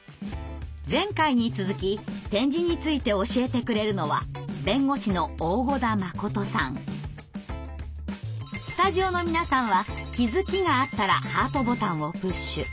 前回に続き点字について教えてくれるのはスタジオの皆さんは気づきがあったらハートボタンをプッシュ。